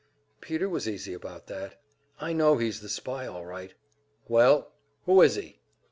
Peter was easy about that. "I know he's the spy all right." "Well, who is he?"